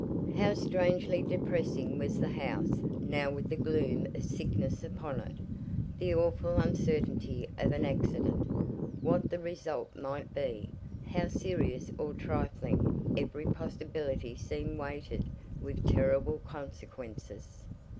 How strangely depressing was the house now with the gloom of sickness upon it! The awful uncertainty of an accident, what the result might be, how serious or trifling every possibility seemed weighted with terrible consequences.